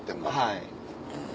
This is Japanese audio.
はい。